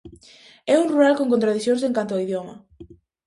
É un rural con contradicións en canto ao idioma.